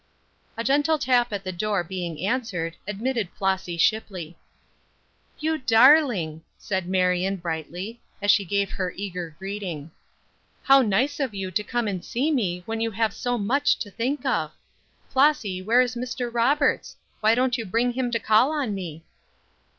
A gentle tap at the door being answered, admitted Flossy Shipley. "You darling!" said Marion, brightly, as she gave her eager greeting. "How nice of you to come and see me when you have so much to think of. Flossy where is Mr. Roberts? Why don't you bring him to call on me?"